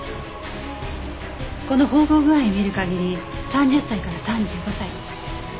この縫合具合を見る限り３０歳から３５歳。